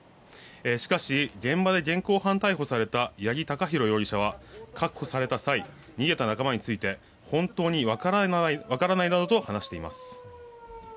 しかし、現場で現行犯逮捕された八木貴寛容疑者は確保された際逃げた仲間について本当に分からないなどと話しています。